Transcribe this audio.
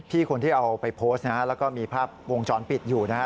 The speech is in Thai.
พี่คนที่เอาไปโพสต์นะครับแล้วก็มีภาพวงช้อนปิดอยู่นะครับ